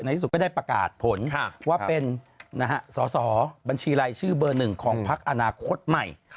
ที่สุดก็ได้ประกาศผลว่าเป็นสอสอบัญชีรายชื่อเบอร์หนึ่งของพักอนาคตใหม่